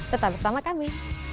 tetap bersama kami